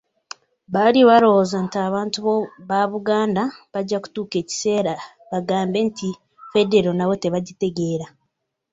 Baali balowooza nti abantu ba Buganda bajja kutuuka ekiseera bagambe nti Federo nabo tebagitegeera.